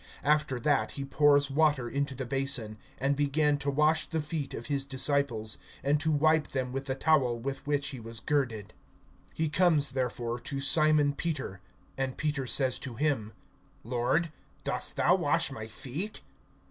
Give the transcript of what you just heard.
(5)After that he pours water into the basin, and began to wash the feet of his disciples, and to wipe them with the towel with which he was girded. (6)He comes therefore to Simon Peter; and Peter says to him: Lord, dost thou wash my feet?